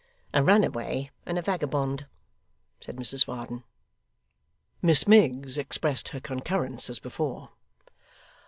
'A runaway and a vagabond!' said Mrs Varden. Miss Miggs expressed her concurrence as before.